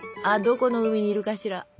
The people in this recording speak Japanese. あどこの海にいるかしら？